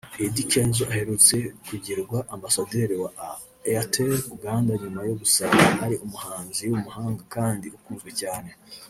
Eddy Kenzo aherutse kugirwa ambasaderi wa Airtel Uganda nyuma yo gusanga ari umuhanzi w'umuhanga kandi ukunzwe cyane